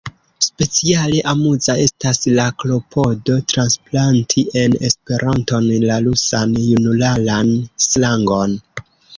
Speciale amuza estas la klopodo transplanti en Esperanton la rusan junularan slangon.